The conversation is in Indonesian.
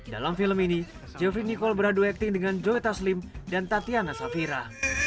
dalam film ini jeffrey nicole beradu acting dengan joy taslim dan tatiana safira